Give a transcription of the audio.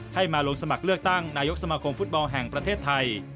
ให้มาลงสมัครเลือกตั้งนายกสมาคมฟุตบอลแห่งประเทศไทย